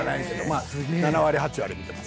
まあ７割８割見てますね。